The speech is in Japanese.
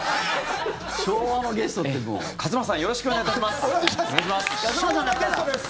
勝俣さんよろしくお願いいたします。